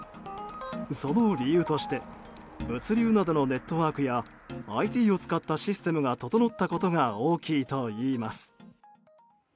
その理由として物流などのネットワークやＩＴを使ったシステムが整ったことが大きいといいます。